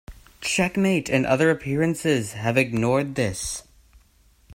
"Checkmate" and other appearances have ignored this.